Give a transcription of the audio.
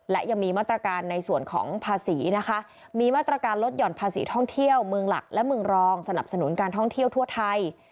และยังมีมาตรการในส่วนของภาษีนะคะมีมาตรการลดห่อนภาษีท่องเที่ยวเมืองหลักและเมืองรองสนับสนุนการท่องเที่ยวทั่วไทย